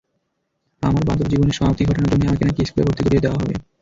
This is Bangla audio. আমার বাঁদরজীবনের সমাপ্তি ঘটানোর জন্যই আমাকে নাকি স্কুলে ভর্তি করিয়ে দেওয়া হবে।